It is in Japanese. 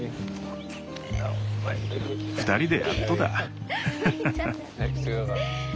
２人でやっとだ。